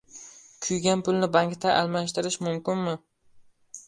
Kuygan pulni bankda almashtirish mumkinmi?